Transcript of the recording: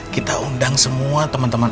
kita undang semua teman teman